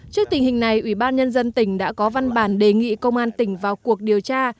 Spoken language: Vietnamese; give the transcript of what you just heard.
trước tình hình này ủy ban nhân dân tỉnh đã có văn bản đề nghị công an tỉnh vào cuộc điều tra